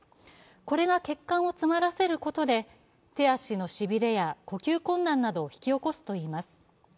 これが血管を詰まらせることで手足のしびれや呼吸困難などを引き起こすといいます。